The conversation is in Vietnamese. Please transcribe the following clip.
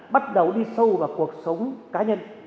bắt đầu đi sâu vào cuộc sống cá nhân